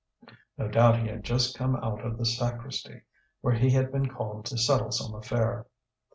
No doubt he had just come out of the sacristy, where he had been called to settle some affair.